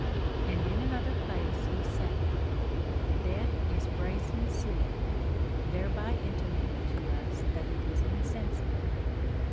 And in another place he saith, Death is brazen sleep, thereby intimating to us that it is insensible.